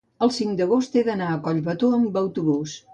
el cinc d'agost he d'anar a Collbató amb autobús.